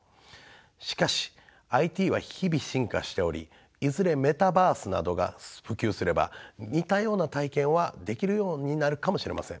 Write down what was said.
しかしＩＴは日々進化しておりいずれメタバースなどが普及すれば似たような体験はできるようになるかもしれません。